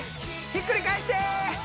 ひっくり返して！